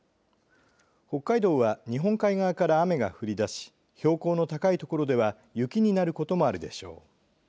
北海道は日本海側から雨が降り出し標高の高い所では雪になることもあるでしょう。